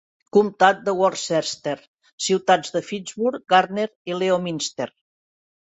Comtat de Worcester: ciutats de Fitchburg, Gardner i Leominster.